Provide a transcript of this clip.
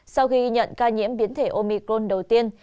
sau khi nhận ca nhiễm biến thể omicron đầu tiên